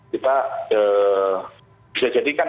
kita bisa jadikan